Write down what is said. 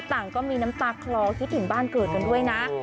ต่างก็มีน้ำตาคลอคิดถึงบ้านเกิดกันด้วยนะ